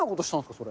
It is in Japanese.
それ。